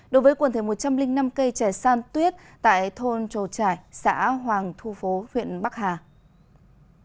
đối với quần thể một trăm linh năm cây trẻ san tuyết tại thôn trồ trải xã hoàng thu phố huyện bắc hà